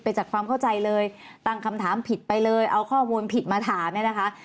จากความเข้าใจเลยตั้งคำถามผิดไปเลยเอาข้อมูลผิดมาถามเนี่ยนะคะ